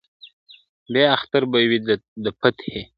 بيا اختر به وي دفتحې !.